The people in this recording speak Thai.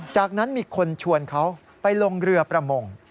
จากนั้นมีคนชวนเขาไปลงเรือประมง